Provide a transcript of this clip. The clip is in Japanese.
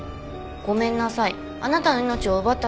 「ごめんなさいあなたの命を奪ったのは私です」